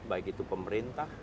baik itu pemerintah